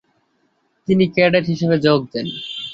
তিনি ক্যাডেট হিসেবে যোগ দেন।